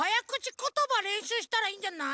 ことばれんしゅうしたらいいんじゃない？